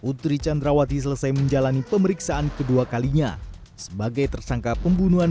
putri candrawati selesai menjalani pemeriksaan kedua kalinya sebagai tersangka pembunuhan